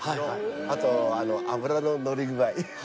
あと脂ののり具合。